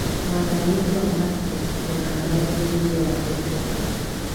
Mwandamizi wa Marko Tuna habari nyingi juu ya Wakristo kule